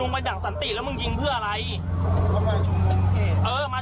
ไม่คุยกันดีวะ